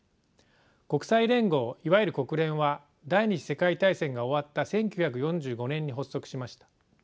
国際連合いわゆる国連は第２次世界大戦が終わった１９４５年に発足しました。